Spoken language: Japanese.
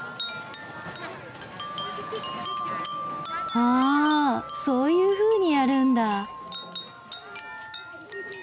ああそういうふうにやるんだ。